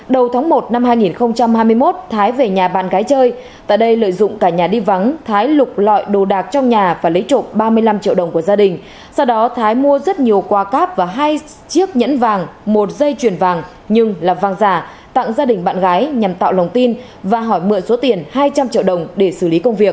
đầu tháng một năm hai nghìn hai mươi một thái về nhà bạn gái chơi tại đây lợi dụng cả nhà đi vắng thái lục lọi đồ đạc trong nhà và lấy trộm ba mươi năm triệu đồng của gia đình sau đó thái mua rất nhiều qua cáp và hai chiếc nhẫn vàng một dây chuyền vàng nhưng là vàng giả tặng gia đình bạn gái nhằm tạo lòng tin và hỏi mượn số tiền hai trăm linh triệu đồng để xử lý công việc